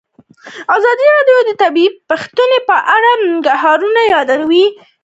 ازادي راډیو د طبیعي پېښې په اړه د ننګونو یادونه کړې.